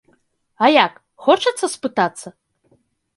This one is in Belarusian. А як, хочацца спытацца?